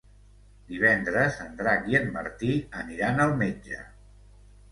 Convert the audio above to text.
Divendres en Drac i en Martí aniran al metge.